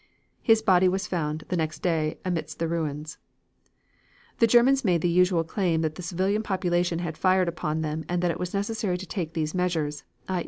His body was found the next day amidst the ruins. ... "The Germans made the usual claim that the civil population had fired upon them and that it was necessary to take these measures, i.